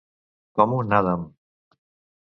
Com un Adam.